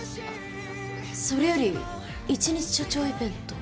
それより１日署長イベントは？